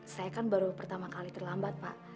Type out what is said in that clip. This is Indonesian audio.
saya kan baru pertama kali terlambat pak